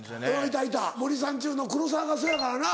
いたいた森三中の黒沢がそうやからな。